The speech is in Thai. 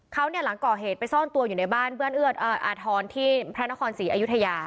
เขาหลังก่อเหตุไปซ่อนตัวอยู่ในบ้านอาธรณ์ที่พระนครศรีอายุทยา